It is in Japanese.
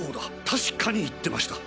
たしかに言ってました。